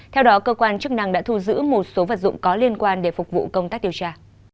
theo đó cơ quan chức năng đã thu giữ một số vật dụng có liên quan để phục vụ công tác điều tra